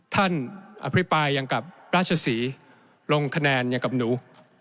อภิปรายอย่างกับราชศรีลงคะแนนอย่างกับหนู